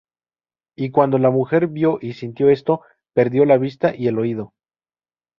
Y cuando la mujer vio y sintió esto, perdió la vista y el oído.